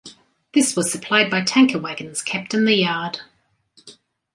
This was supplied by tanker wagons kept in the yard.